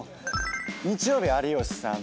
日曜日有吉さん。